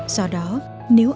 do đó nếu ai